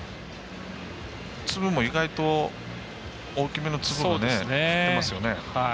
粒も意外と大きめの粒が降っていますよね。